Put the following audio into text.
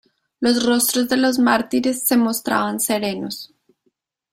Los rostros de los mártires se mostraban serenos.